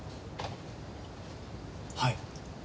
はい。